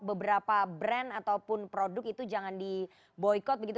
beberapa brand ataupun produk itu jangan di boykot begitu